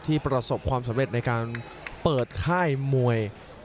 ที่ประสบความสำเร็จเปิดค่ายมวย